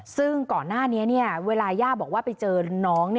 ซึ่งก่อนหน้านี้เวลาย่าบอกว่าไปเจอน้อง